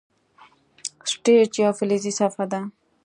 سټیج یوه فلزي صفحه ده.